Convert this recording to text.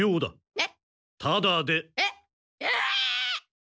えっ？